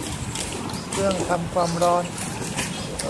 เครื่องทำความร้อน